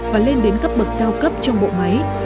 và lên đến cấp bậc cao cấp trong bộ máy